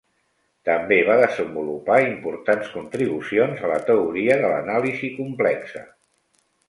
També va desenvolupar importants contribucions a la teoria de l'anàlisi complexa.